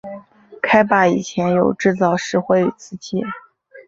开埠以前有制造石灰与瓷器。